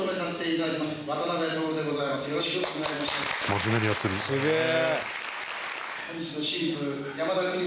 「真面目にやってる」「すげえ！」